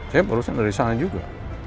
saya barusan dari sana juga